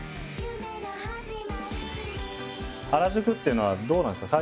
原宿っていうのはどうなんですか？